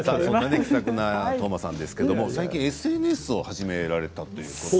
気さくな斗真さんですけど最近はＳＮＳを始められたということで。